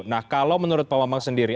nah kalau menurut pak bambang sendiri